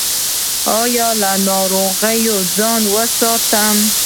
ایا له ناروغانو ځان وساتم؟